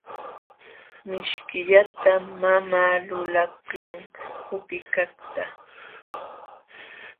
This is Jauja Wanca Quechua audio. Mishkillatam mamaa lulaqlun upikaqta.